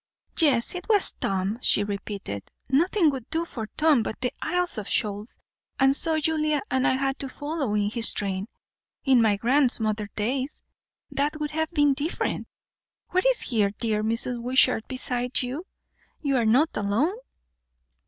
"Yes, it was Tom," she repeated. "Nothing would do for Tom but the Isles of Shoals; and so, Julia and I had to follow in his train. In my grandmother's days that would have been different. What is here, dear Mrs. Wishart, besides you? You are not alone?"